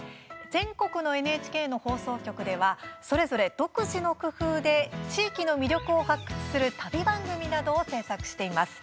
全国のＮＨＫの放送局ではそれぞれ独自の工夫で地域の魅力を発掘する旅番組などを制作しています。